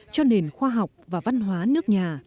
cho nền khoa học và văn hóa nước nhà